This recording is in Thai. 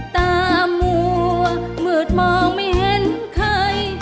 ตามัวมืดมองไม่เห็นใคร